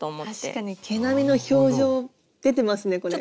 確かに毛並みの表情出てますねこれ。